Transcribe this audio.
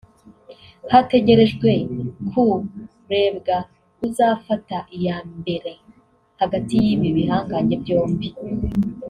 hategerejwe kkurebwa uzafata iya mbere hagati y’ibi bihangange byombi